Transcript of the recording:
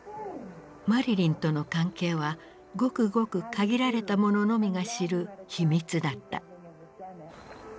マリリンとの関係はごくごく限られた者のみが知る秘密だった。